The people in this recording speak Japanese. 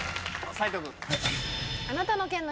斉藤君。